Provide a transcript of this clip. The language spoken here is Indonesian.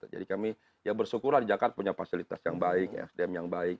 jadi kami ya bersyukurlah di jakarta punya fasilitas yang baik ya sdm yang baik